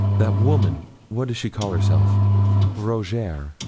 That woman what does she call herself Rougierre?